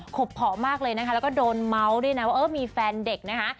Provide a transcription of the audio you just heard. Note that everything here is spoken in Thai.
บเพาะมากเลยนะคะแล้วก็โดนเมาส์ด้วยนะว่าเออมีแฟนเด็กนะคะ